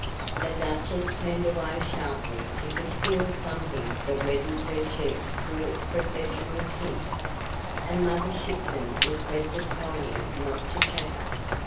The Duchess turned away sharply to conceal something that reddened her cheeks through its professional tint, and Mother Shipton requested Piney not to "chatter."